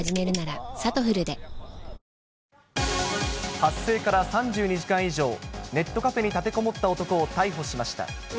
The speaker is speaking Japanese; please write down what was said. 発生から３２時間以上、ネットカフェに立てこもった男を逮捕しました。